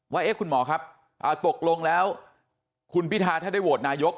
ว่าคุณหมอครับตกลงแล้วคุณพิทาถ้าได้โหวตนายก